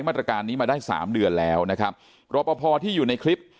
มาตรการนี้มาได้สามเดือนแล้วนะครับรอปภที่อยู่ในคลิป